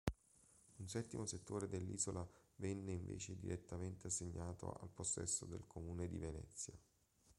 Un settimo settore dell'isola venne invece direttamente assegnato al possesso del Comune di Venezia.